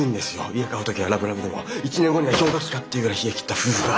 家買う時はラブラブでも１年後には氷河期かってぐらい冷えきった夫婦が。